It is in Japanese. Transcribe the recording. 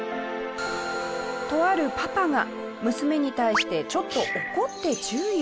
とあるパパが娘に対してちょっと怒って注意をしたそう。